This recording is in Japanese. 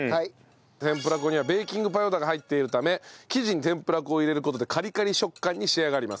天ぷら粉にはベーキングパウダーが入っているため生地に天ぷら粉を入れる事でカリカリ食感に仕上がります。